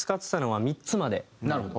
なるほど。